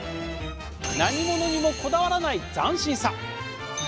何物にもこだわらない斬新さ。